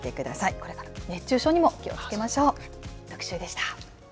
これから熱中症にも気をつけましょう。